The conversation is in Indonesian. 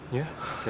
jangan jangan jangan